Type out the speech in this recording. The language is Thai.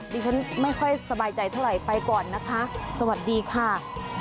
ดิฉันไม่ค่อยสบายใจเท่าไหร่ไปก่อนนะคะสวัสดีค่ะ